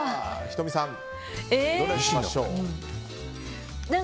仁美さん、どれにしましょう？